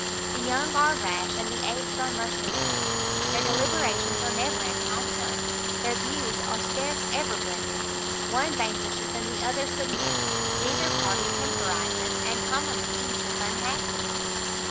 the young are rash, and the aged are mercenary; their deliberations are never in concert, their views are scarce ever blended; one vanquishes, and the other submits; neither party temporizes, and commonly each is unhappy."